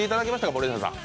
森下さん。